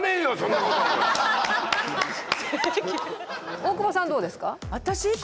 大久保さんどうですか？